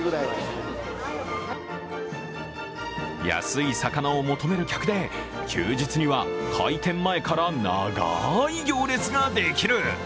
安い魚を求める客で休日には開店前から長い行列ができる。